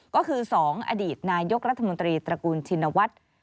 ก็คือ๒อดีตนายกรัฐมนตรีตระกูลชินวัฒน์